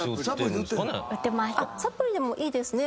サプリでもいいですね。